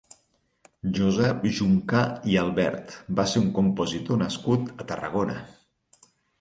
Josep Juncà i Albert va ser un compositor nascut a Tarragona.